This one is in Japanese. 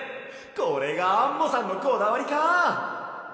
これがアンモさんのこだわりか！